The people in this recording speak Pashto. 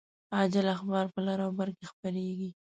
عاجل اخبار په لر او بر کې خپریږي